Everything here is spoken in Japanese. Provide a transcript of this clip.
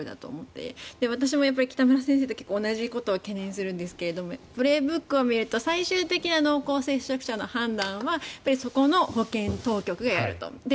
私も北村先生と同じことを懸念するんですけど「プレーブック」を見ると最終的な濃厚接触者の判断はそこの保健当局がやると。